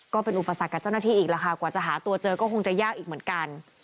ก็เป็นอุปสรรคกับเจ้าหน้าที่อีกแล้วค่ะกว่าจะหาตัวเจอก็คงจะยากอีกเหมือนกัน